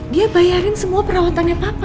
dia bayarin semua perawatannya papa